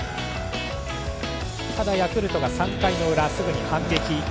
ただ、ヤクルトは３回の裏すぐに反撃。